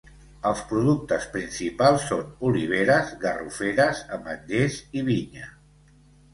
Els productes principals són oliveres, garroferes, ametllers i vinya.